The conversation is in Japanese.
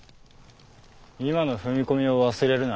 今の踏み込みを忘れるな。